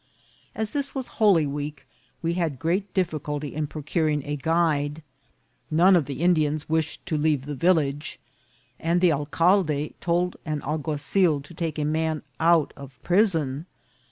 As this was Holy Week, we had great difficulty in procuring a guide. None of the Indians wished to leave the village, and the alcalde told an alguazil to take a man out of prison.